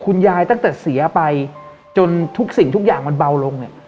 ตั้งแต่เสียไปจนทุกสิ่งทุกอย่างมันเบาลงเนี่ย